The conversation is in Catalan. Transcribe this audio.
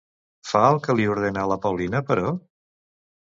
Fa el que li ordena la Paulina, però?